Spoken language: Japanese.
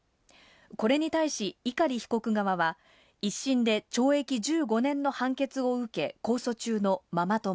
これに対し、碇被告側は１審で懲役１５年の判決を受け、控訴中のママ友